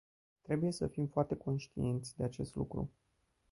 Trebuie să fim foarte conștienți de acest lucru.